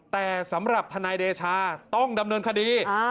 แต่สำหรับทนายเดชาต้องดำเนินคดี